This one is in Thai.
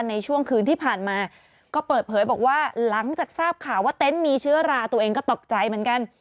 ในช่วงคืนที่ผ่านมาก็เปิดเผยบอกว่าหลังจากทราบข่าวว่าเต็นต์มีเชื้อราตัวเองก็ตกใจเหมือนกัน